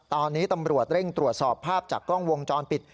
ตอนนี้ตำรวจเร่งตรวจสอบภาพจากกล้องวงจรปิด